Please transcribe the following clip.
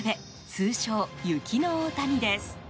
通称、雪の大谷です。